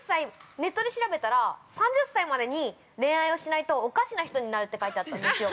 ネットで調べたら３０歳までに恋愛をしないとおかしな人になるって書いてあったんですよ。